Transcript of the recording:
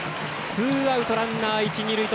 ツーアウト、ランナー、一、二塁。